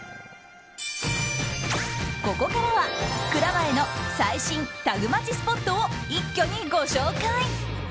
ここからは蔵前の最新タグマチスポットを一挙にご紹介。